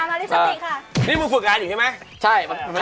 อะมาลิฟต์สะติกค่ะ